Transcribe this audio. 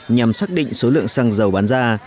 nhằm xác định số lượng xăng dầu bán ra